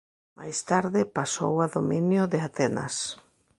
Máis tarde pasou a dominio de Atenas.